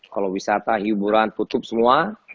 kalau wisata hiburan tutup semua